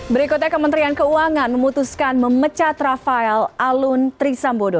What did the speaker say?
berikutnya kementerian keuangan memutuskan memecat rafael alun trisambodo